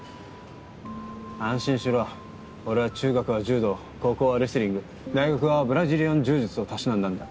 安心しろ俺は中学は柔道高校はレスリング大学はブラジリアン柔術をたしなんだんだ。